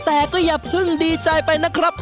แต่ก็อย่าเพิ่งดีใจไปนะครับ